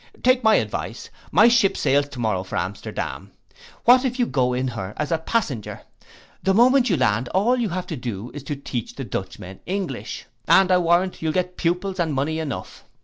Take my advice. My ship sails to morrow for Amsterdam; What if you go in her as a passenger? The moment you land all you have to do is to teach the Dutchmen English, and I'll warrant you'll get pupils and money enough.